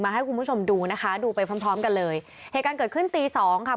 ให้คุณผู้ชมดูนะคะดูไปพร้อมพร้อมกันเลยเหตุการณ์เกิดขึ้นตีสองค่ะ